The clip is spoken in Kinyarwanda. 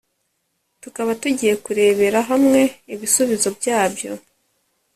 tukaba tugiye kurebera hamwe ibisubizo byabyo.